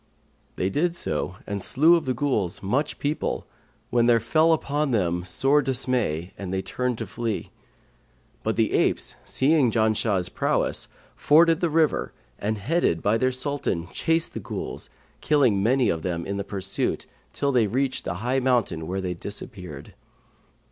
They did so and slew of the Ghuls much people, when there fell upon them sore dismay and they turned to flee; but the apes, seeing Janshah's prowess, forded the river and headed by their Sultan chased the Ghuls, killing many of them in the pursuit, till they reached the high mountain where they disappeared.